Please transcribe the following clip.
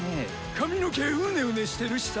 髪の毛うねうねしてるしさ。